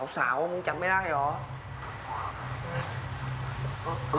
สาวมึงจำไม่ได้เหรอ